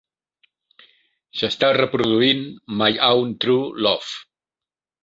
S'està reproduint My Own True Love